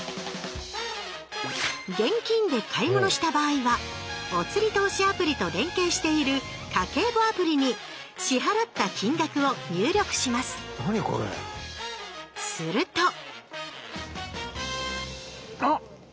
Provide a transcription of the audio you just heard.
現金で買い物した場合はおつり投資アプリと連携している「家計簿アプリ」に支払った金額を入力しますなにこれ⁉するとあっ！